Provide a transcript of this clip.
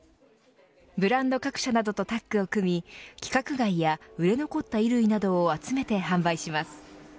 ブランド各社などとタッグを組み規格外や売れ残った衣類などを集めて販売します。